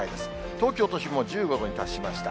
東京都心も１５度に達しました。